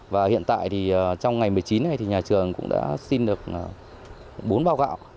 và hiện tại thì trong ngày một mươi chín này thì nhà trường cũng đã xin được bốn bao gạo